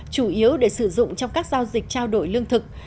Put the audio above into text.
chủ yếu để sử dụng trong các giao dịch trao đổi lương thực